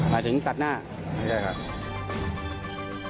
ไปถึงตัดหน้าไม่ใช่ครับไม่ใช่ครับ